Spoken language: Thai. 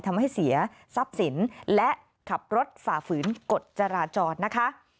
ทำให้เสียทรัพย์สินและขับรถฝ่าฝืนกฎจราจรนะคะ